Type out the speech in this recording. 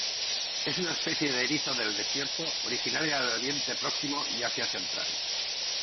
Es una especie de erizo del desierto originaria de Oriente Próximo y Asia Central.